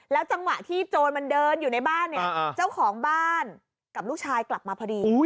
จังหวะที่โจรมันเดินอยู่ในบ้านเนี่ยเจ้าของบ้านกับลูกชายกลับมาพอดี